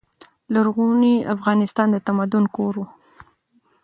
لرغونی افغانستان د تمدن کور و.